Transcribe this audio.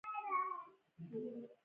د هلمند سیند تر ټولو اوږد سیند دی